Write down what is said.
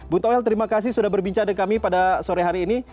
buntu wel terima kasih sudah berbincang dengan kami pada sore hari ini